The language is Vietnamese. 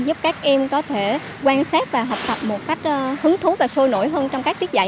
giúp các em có thể quan sát và học tập một cách hứng thú và sôi nổi hơn trong các tiết dạy